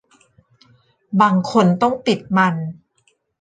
บางคนต้องปิดมัน